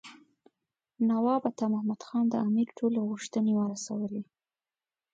نواب عطا محمد خان د امیر ټولې غوښتنې ورسولې.